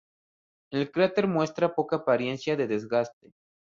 El cráter muestra poca apariencia de desgaste.